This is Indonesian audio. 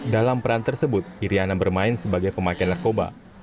dalam peran tersebut iryana bermain sebagai pemakai narkoba